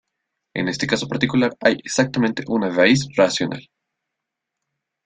En este caso particular hay exactamente una raíz racional.